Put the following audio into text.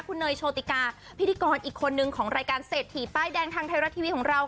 คุณเนยโชติกาพิธีกรอีกคนนึงของรายการเศรษฐีป้ายแดงทางไทยรัฐทีวีของเรา